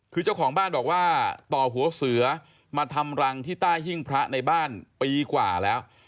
คือเจ้าของบ้านบอกว่าต่อหัวเสือมาทำรังที่ใต้หิ้งพระในบ้านปีกว่าแล้ว